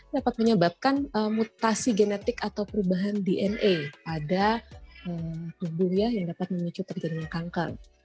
dapat menyebabkan mutasi genetik atau perubahan dna pada tubuh yang dapat menyebut terjadi kanker